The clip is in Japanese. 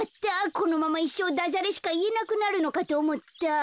このままいっしょうダジャレしかいえなくなるのかとおもった。